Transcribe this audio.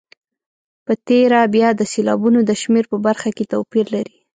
په تېره بیا د سېلابونو د شمېر په برخه کې توپیر لري.